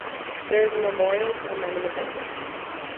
There is a memorial to the men in the village.